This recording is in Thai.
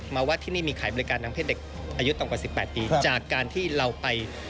หม่อว่าที่นี่มีขายบริการทางเพศเด็กอายุต่อ๑๘ปี